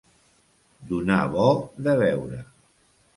Donar bo de veure.